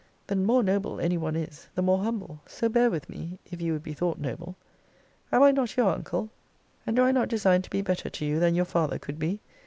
The more noble any one is, the more humble; so bear with me, if you would be thought noble. Am I not your uncle? and do I not design to be better to you than your father could be?